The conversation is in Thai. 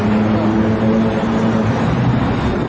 วันไม่เห็นระเบิดไม่ค่อยไม่เลิก